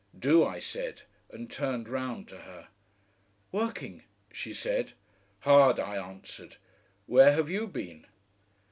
"Do," I said, and turned round to her. "Working?" she said. "Hard," I answered. "Where have YOU been?"